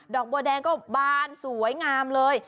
อกบัวแดงก็บานสวยงามเลย